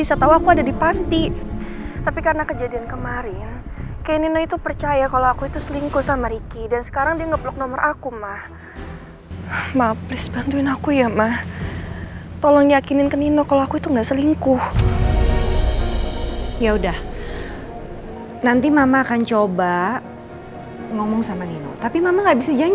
sampai jumpa di video selanjutnya